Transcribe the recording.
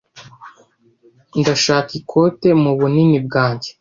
Ndashaka ikote mubunini bwanjye.